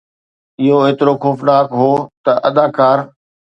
اهو ايترو خوفناڪ هو ته اداڪار